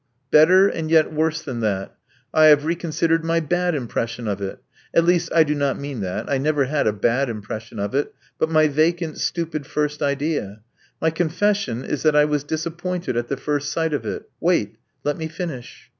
Better and yet worse than that. I have reconsidered my bad impression of it — at least, I do not mean that — I never had a bad impression of it, but my vacant, stupid first idea. My confession is that I was disappointed at the first sight of it Wait: let me finish.